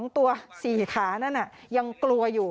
๒ตัว๔ขานั่นน่ะยังกลัวอยู่ค่ะ